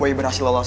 boy berhasil lolos